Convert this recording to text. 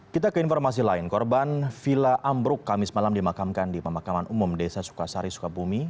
kita ke informasi lain korban villa ambruk kamis malam dimakamkan di pemakaman umum desa sukasari sukabumi